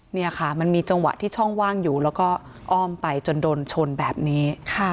นี่ค่ะมันมีจังหวะที่ช่องว่างอยู่แล้วก็อ้อมไปจนโดนชนแบบนี้